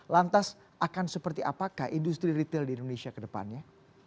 lantas akan seperti apakah industri retail di indonesia kedepannya